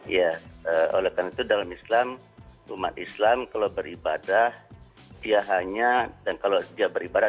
ya oleh karena itu dalam islam umat islam kalau beribadah dia hanya dan kalau dia beribadah